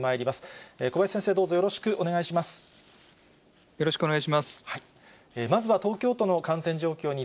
まずは東京都の感染状況